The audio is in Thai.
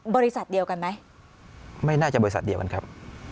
บริษัทเดียวกันไหมไม่น่าจะบริษัทเดียวกันครับ